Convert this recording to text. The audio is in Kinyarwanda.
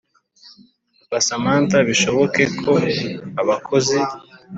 papa samantha bishoboke ko abakozi